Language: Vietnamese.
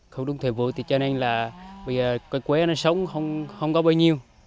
không đúng thời vụ thì cho nên là bây giờ cây quế nó sống không có bơi nhiêu